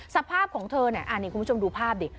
สภาพของเธอคุณผู้ชมดูภาพดิ